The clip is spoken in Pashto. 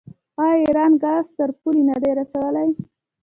آیا ایران ګاز تر پولې نه دی رسولی؟